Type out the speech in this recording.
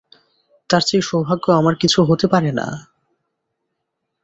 তার চেয়ে সৌভাগ্য আমার কিছু হতে পারে না।